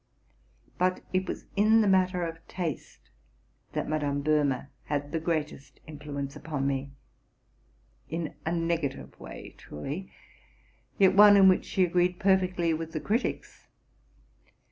But it was in the matter of taste that Madame Béhme had the greatest influence upon me, —in a negative way truly, yet one in which she agreed perfectly with the critics.